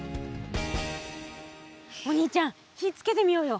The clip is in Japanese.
お兄ちゃん火つけてみようよ。